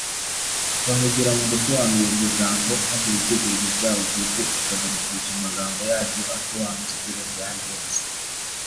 bahugira mu gusobanura iryo jambo maze ibitekerezo byabo bwite bakabirutisha amagambo yaryo asobanutse kurenza ayandi yose